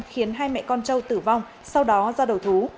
khiến hai mẹ con châu tử vong sau đó ra đầu thú